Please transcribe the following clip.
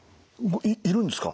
いるんですか？